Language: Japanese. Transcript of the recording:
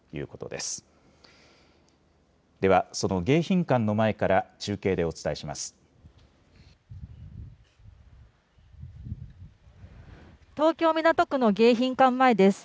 では、その迎賓館の前から中継でお伝えします。